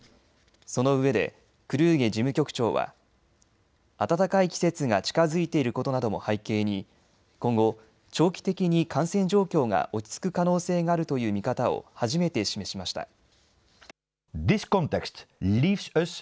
そのうえでクルーゲ事務局長は暖かい季節が近づいていることなども背景に今後、長期的に感染状況が落ち着く可能性があるという見方を初めて示しました。